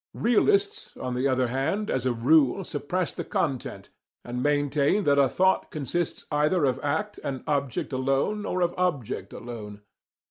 Realists, on the other hand, as a rule, suppress the content, and maintain that a thought consists either of act and object alone, or of object alone.